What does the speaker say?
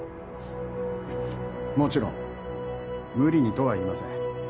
もちろん無理にとは言いません